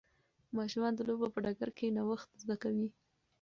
ماشومان د لوبو په ډګر کې نوښت زده کوي.